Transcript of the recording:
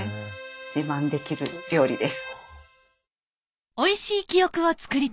自慢できる料理です。